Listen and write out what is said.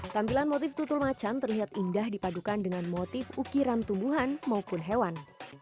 tampilan motif tutul macan terlihat indah dipadukan dengan motif ukiran tumbuhan maupun hewan